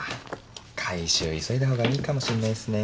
回収急いだほうがいいかもしんないっすね。